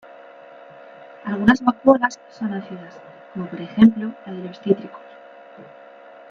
Algunas vacuolas son ácidas, como por ejemplo la de los cítricos.